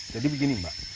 jadi begini mbak